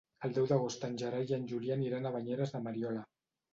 El deu d'agost en Gerai i en Julià aniran a Banyeres de Mariola.